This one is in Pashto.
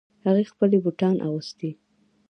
هغې خپلې بوټان اغوستې